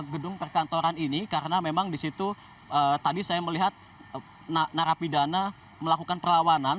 gedung perkantoran ini karena memang di situ tadi saya melihat narapidana melakukan perlawanan